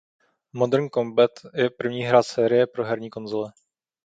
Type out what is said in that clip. Modern Combat je první hra série pro herní konzole.